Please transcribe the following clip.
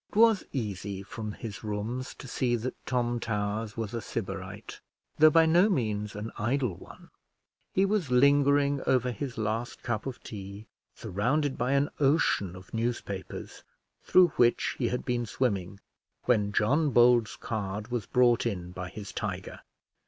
It was easy, from his rooms, to see that Tom Towers was a Sybarite, though by no means an idle one. He was lingering over his last cup of tea, surrounded by an ocean of newspapers, through which he had been swimming, when John Bold's card was brought in by his tiger.